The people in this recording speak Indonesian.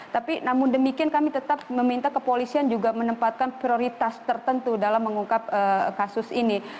tapi namun demikian kami tetap meminta kepolisian juga menempatkan prioritas tertentu dalam mengungkap kasus ini